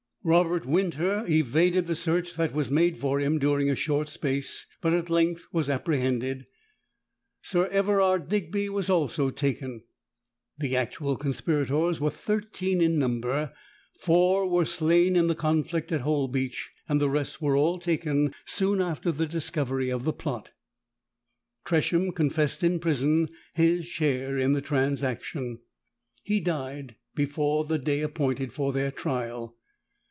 Robert Winter evaded the search that was made for him during a short space, but at length was apprehended. Sir Everard Digby was also taken. The actual conspirators were thirteen in number; four were slain in the conflict at Holbeach; the rest were all taken soon after the discovery of the plot. Tresham confessed in prison his share in the transaction. He died before the day appointed for their trial.